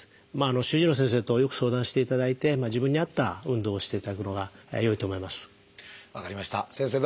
主治医の先生とよく相談していただいて自分に合った運動をしていただくのがよいと思います。